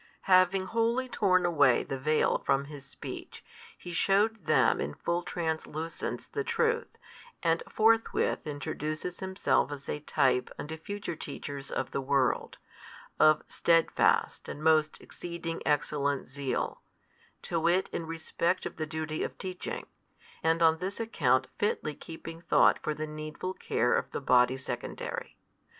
Having wholly torn away the veil from His speech, He shewed them in full translucence the truth, and forthwith introduces Himself as a type unto future teachers of the world, of steadfast and most exceeding excellent zeal, to wit in respect of the duty of teaching, and on this account fitly keeping thought for the needful care of the body secondary.